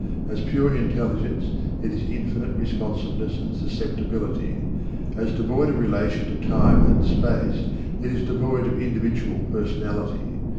As pure intelligence it is infinite responsiveness and susceptibility. As devoid of relation to time and space it is devoid of individual personality.